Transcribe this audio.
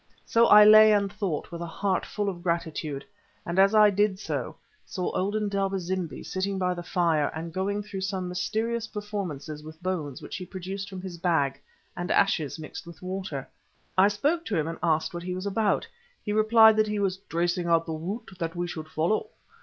So I lay and thought with a heart full of gratitude, and as I did so saw old Indaba zimbi sitting by the fire and going through some mysterious performances with bones which he produced from his bag, and ashes mixed with water. I spoke to him and asked what he was about. He replied that he was tracing out the route that we should follow.